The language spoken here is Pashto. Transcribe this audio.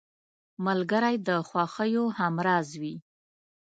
ملګری د خوښیو همراز وي